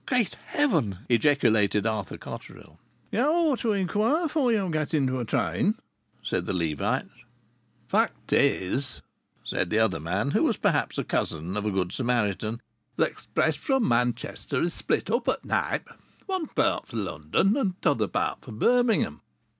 "Great heavens!" ejaculated Arthur Cotterill. "You ought to inquire before you get into a train," said the Levite. "The fact is," said the other man, who was perhaps a cousin of a Good Samaritan, "the express from Manchester is split up at Knype one part for London, and the other part for Birmingham."